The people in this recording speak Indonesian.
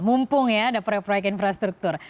mumpung ya ada proyek proyek infrastruktur